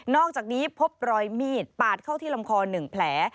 อกจากนี้พบรอยมีดปาดเข้าที่ลำคอ๑แผล